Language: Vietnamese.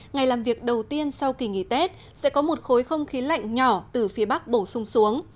ngày làm việc đầu tiên sau kỳ nghỉ tết sẽ có một khối không khí lạnh nhỏ từ phía bắc bổ sung xuống